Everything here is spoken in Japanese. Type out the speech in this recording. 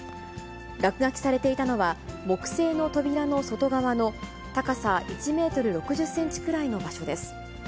落書きされていたのは、木製の扉の外側の高さ１メートル６０センチくらいの場所です。